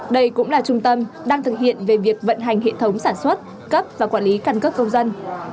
đây cũng là trung tâm đang thực hiện về việc vận hành hệ thống sản xuất cấp và quản lý căn cước công dân